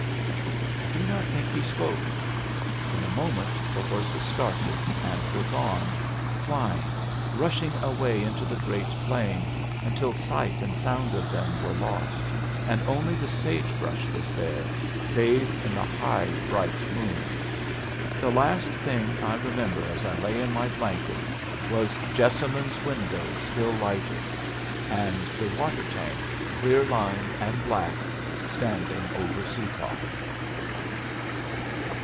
I do not think he spoke. In a moment the horses started and were gone, flying, rushing away into the great plain, until sight and sound of them were lost, and only the sage brush was there, bathed in the high, bright moon. The last thing I remember as I lay in my blankets was Jessamine's window still lighted, and the water tank, clear lined and black, standing over Separ.